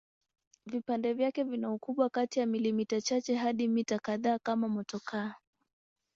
Vipande vyake vina ukubwa kati ya milimita chache hadi mita kadhaa kama motokaa.